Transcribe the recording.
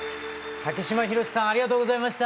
竹島宏さんありがとうございました。